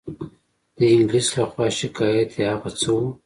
د انګلیس له خوا شکایت یې هغه څه وو.